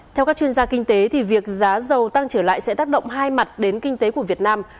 theo các chuyên gia kinh tế việc giá dầu tăng trở lại sẽ tác động hai mặt đến kinh tế của việt nam